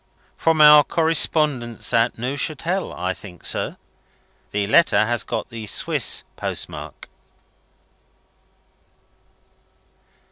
"From our correspondents at Neuchatel, I think, sir. The letter has got the Swiss postmark."